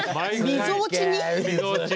みぞおちに？